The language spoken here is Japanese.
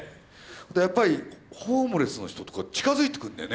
やっぱりホームレスの人とか近づいてくんだよね